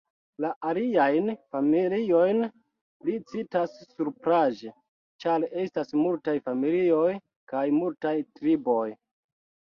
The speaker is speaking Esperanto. La aliajn familiojn li citas supraĵe, ĉar estas multaj familioj kaj multaj triboj.